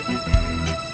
kenapa tidak bisa